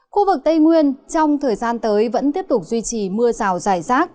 khu vực tây nguyên trong thời gian tới vẫn tiếp tục duy trì mưa rào dài rác